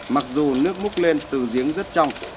mặc dù nước múc lên từ giếng rất trong